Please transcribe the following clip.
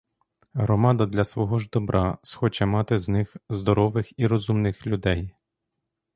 Громада для свого ж добра схоче мати з них здорових і розумних людей.